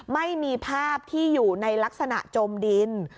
ไม่มีภาพที่อยู่ในลักษณะจมดิน